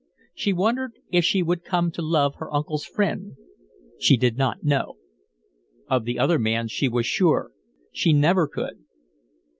She wondered if she would come to love her uncle's friend. She did not know. Of the other she was sure she never could.